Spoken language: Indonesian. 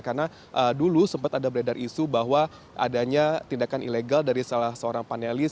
karena dulu sempat ada beredar isu bahwa adanya tindakan ilegal dari seorang panelis